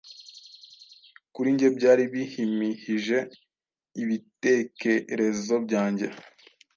Kuri njye byari bihimihije, ibitekerezo byanjye